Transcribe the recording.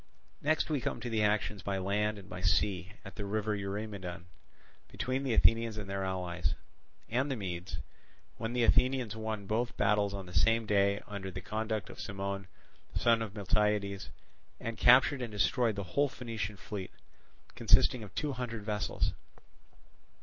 Next we come to the actions by land and by sea at the river Eurymedon, between the Athenians with their allies, and the Medes, when the Athenians won both battles on the same day under the conduct of Cimon, son of Miltiades, and captured and destroyed the whole Phoenician fleet, consisting of two hundred vessels.